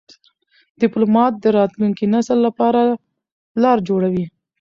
ډيپلومات د راتلونکي نسل لپاره لار جوړوي.